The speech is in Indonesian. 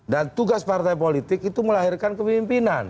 dan tugas partai politik itu melahirkan kepemimpinan